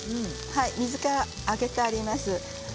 水からあげてあります。